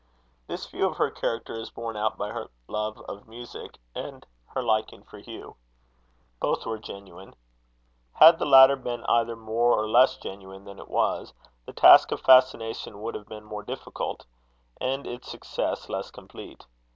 This view of her character is borne out by her love of music and her liking for Hugh. Both were genuine. Had the latter been either more or less genuine than it was, the task of fascination would have been more difficult, and its success less complete.